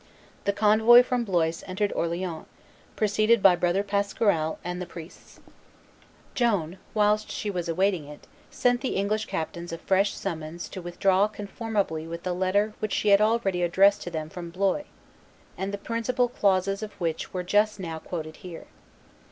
The convoy from Blois entered Orleans, preceded by Brother Pasquerel and the priests. Joan, whilst she was awaiting it, sent the English captains a fresh summons to withdraw conformably with the letter which she had already addressed to them from Blois, and the principal clauses of which were just now quoted here.